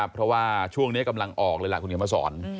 เพราะว่าช่วงนี้กำลังออกเลยล่ะคุณเขียนมาสอน